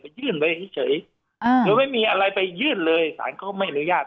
ไปยื่นไว้เฉยเฉยอ่าแล้วไม่มีอะไรไปยื่นเลยสารเขาก็ไม่อนุญาต